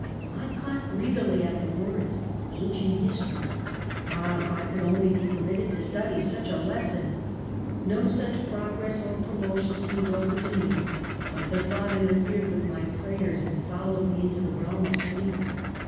I caught greedily at the words, ancient his tory. Ah, if I could only be permitted to study such a lesson ! 'No such progress or promotion seemed open to me; but the thought interfered with my pray ers, and followed me into the realm of sleep.